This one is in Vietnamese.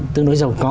tương đối giàu có